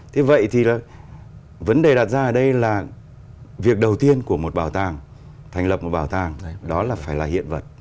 thế vậy thì là vấn đề đặt ra ở đây là việc đầu tiên của một bảo tàng thành lập một bảo tàng đó là phải là hiện vật